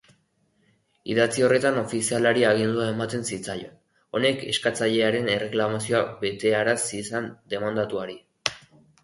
Idatzi horretan ofizialari agindua ematen zitzaion, honek eskatzailearen erreklamazioa betearaz ziezaion demandatuari.